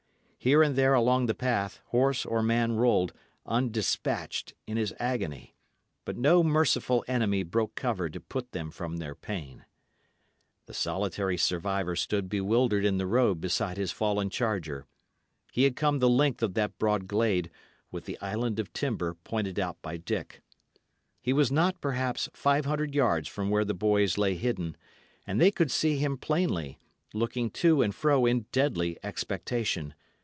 Here and there along the path, horse or man rolled, undespatched, in his agony; but no merciful enemy broke cover to put them from their pain. The solitary survivor stood bewildered in the road beside his fallen charger. He had come the length of that broad glade, with the island of timber, pointed out by Dick. He was not, perhaps, five hundred yards from where the boys lay hidden; and they could see him plainly, looking to and fro in deadly expectation.